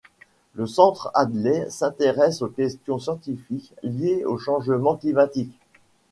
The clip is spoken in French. Le Centre Hadley s'intéresse aux questions scientifiques liées aux changements climatiques.